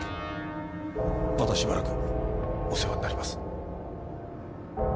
またしばらくお世話になります。